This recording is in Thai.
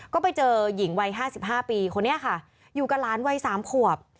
ก็ไปเจอหญิงวัยห้าสิบห้าปีคนนี้ค่ะอยู่กับล้านวัยสามขวบ